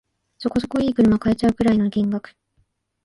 そこそこ良い車買えちゃうくらいの金額